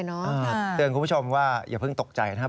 เตือนคุณผู้ชมว่าอย่าเพิ่งตกใจนะฮะ